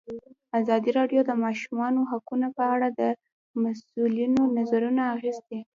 ازادي راډیو د د ماشومانو حقونه په اړه د مسؤلینو نظرونه اخیستي.